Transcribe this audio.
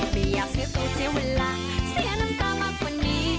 ไม่อยากเสียตัวเสียเวลาเสียน้ำตามากกว่านี้